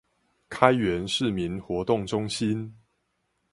開元市民活動中心